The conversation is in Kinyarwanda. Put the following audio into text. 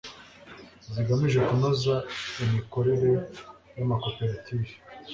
zigamije kunoza imikorere yamakoperative